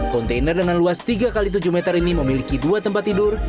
kontainer dengan luas tiga x tujuh meter ini memiliki dua tempat tidur